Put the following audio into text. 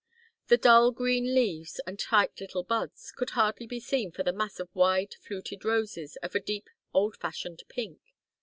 The dull green leaves and tight little buds could hardly be seen for the mass of wide fluted roses of a deep old fashioned pink.